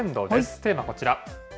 テーマはこちら。